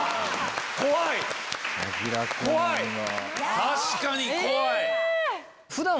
確かに怖い。